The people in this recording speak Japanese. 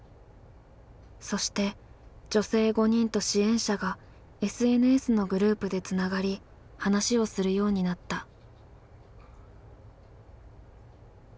そして女性５人と支援者がＳＮＳのグループでつながり話をするようになった。